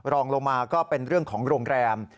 รองลงมาก็เป็นเรื่องของโรงแรม